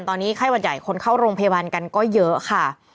ตอนนี้ไข้หวัดใหญ่คนเข้าโรงพยาบาลกันก็เยอะค่ะ